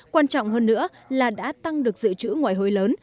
quan trọng hơn nữa là đã tăng được dự trữ ngoại hối lớn